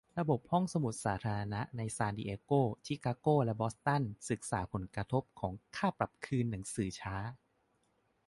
ระบบห้องสมุดสาธารณะในซานดิเอโก ชิคาโก และบอสตัน ศึกษาผลกระทบของค่าปรับคืนหนังสือช้า